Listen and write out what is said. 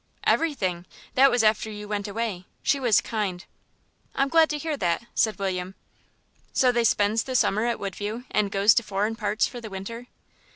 "Everything that was after you went away. She was kind." "I'm glad to hear that," said William. "So they spends the summer at Woodview and goes to foreign parts for the winter?"